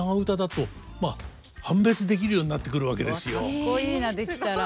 かっこいいなできたら。